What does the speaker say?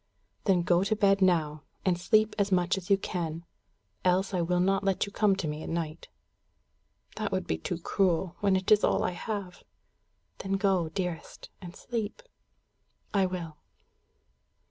"Then go to bed now, and sleep as much as you can; else I will not let you come to me at night." "That would be too cruel, when it is all I have." "Then go, dearest, and sleep." "I will."